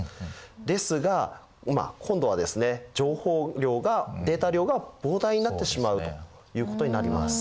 ですが今度は情報量がデータ量が膨大になってしまうということになります。